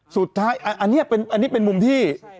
สุดท้ายอันนี้เป็นมุมที่